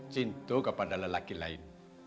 cinta kepada laki lain